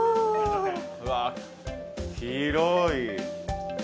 うわっ広い。